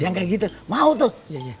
yang kayak gitu mau tuh